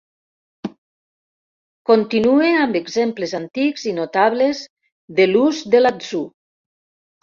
Continue amb exemples antics i notables de l'ús de l'atzur